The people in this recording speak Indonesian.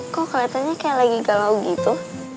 kok kelihatannya kayak lagi galau gitu